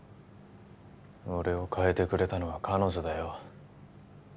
俺を変えてくれたのは彼女だよ